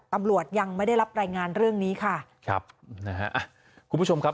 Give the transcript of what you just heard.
ตำรวจยังไม่ได้รับรายงานเรื่องนี้ค่ะครับนะฮะอ่ะคุณผู้ชมครับ